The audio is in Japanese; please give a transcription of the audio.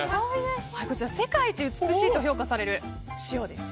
世界一美しいと評価される塩です。